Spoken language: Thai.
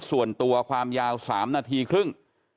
ส่วนตัวความยาว๓นาทีครึ่ง